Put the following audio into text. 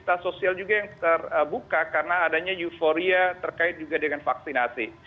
fasilitas sosial juga yang terbuka karena adanya euforia terkait juga dengan vaksinasi